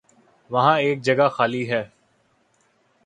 وہاں ایک جگہ خالی ہے۔